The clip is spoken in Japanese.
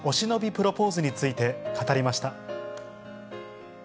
プロポーズについて語りました。